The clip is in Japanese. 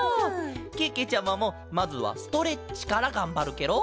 けけちゃまもまずはストレッチからがんばるケロ。